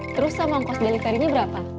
terus sama kos delik tarinya berapa